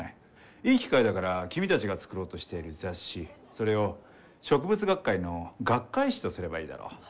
いい機会だから君たちが作ろうとしている雑誌それを植物学会の学会誌とすればいいだろう。